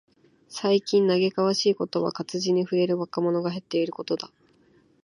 最近嘆かわしいことは、活字に触れる若者が減っていることだ。